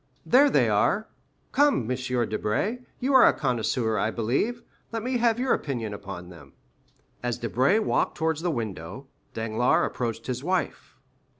There they are. Come, M. Debray, you are a connoisseur, I believe, let me have your opinion upon them." As Debray walked towards the window, Danglars approached his wife.